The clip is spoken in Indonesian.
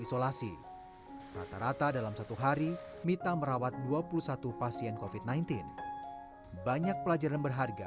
isolasi rata rata dalam satu hari mita merawat dua puluh satu pasien kofit sembilan belas banyak pelajaran berharga